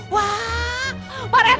wah pak reet